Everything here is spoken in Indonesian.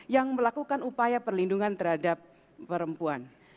yang melakukan upaya perlindungan terhadap perempuan